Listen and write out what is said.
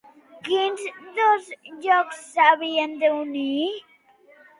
Quins dos llocs s'havien d'unir?